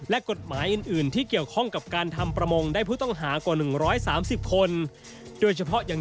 และกฎหมายอื่นที่เกี่ยวข้องกับการทำประมงได้ผู้ต้องหากว่า๑๓๐คน